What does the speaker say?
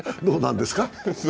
どうなんですか？